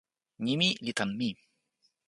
nimi li tan mi.